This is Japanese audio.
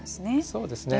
そうですね。